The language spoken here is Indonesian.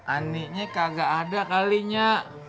aninya kagak ada kali nyak